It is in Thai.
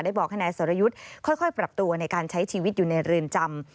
บอกให้นายสรยุทธ์ค่อยปรับตัวในการใช้ชีวิตอยู่ในเรือนจำ